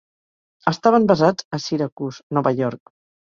Estaven basats a Syracuse, Nova York.